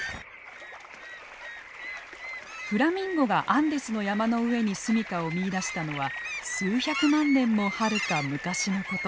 フラミンゴがアンデスの山の上に住みかを見いだしたのは数百万年もはるか昔のこと。